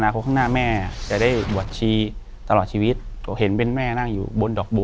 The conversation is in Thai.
ข้างหน้าแม่จะได้บวชชีตลอดชีวิตเห็นเป็นแม่นั่งอยู่บนดอกบัว